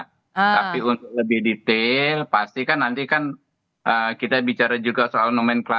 tapi untuk lebih detail pasti kan nanti kan kita bicara juga soal nomenklarasi